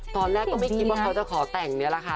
ตอนแรกก็ไม่คิดว่าเขาจะขอแต่งนี่แหละค่ะ